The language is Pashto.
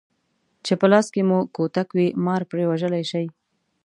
چې په لاس کې مو کوتک وي مار پرې وژلی شئ.